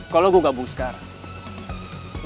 kalau gue gabung sekarang